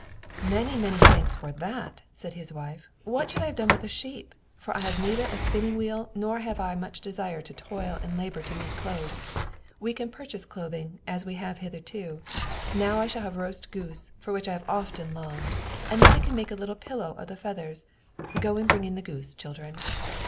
"Many, many thanks for that," said his wife. "What should I have done with a sheep? For I have neither a spinning wheel nor have I much desire to toil and labor to make clothes; we can purchase clothing as we have hitherto: now I shall have roast goose, which I have often longed for; and then I can make a little pillow of the feathers. Go and bring in the goose, children."